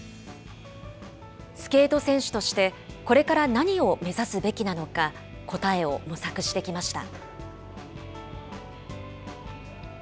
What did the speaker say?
スケート選手として、これから何を目指すべきなのか、答えを模索してきました。